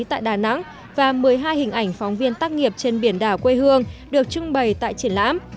tại đà nẵng và một mươi hai hình ảnh phóng viên tác nghiệp trên biển đảo quê hương được trưng bày tại triển lãm